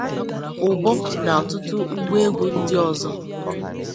ụbọ na ọtụtụ ngwa egwu ndị ọzọ